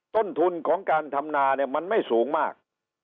ต้นทุนของการทำนาเนี่ยมันไม่สูงมาก